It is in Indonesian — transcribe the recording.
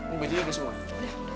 ini baju udah semua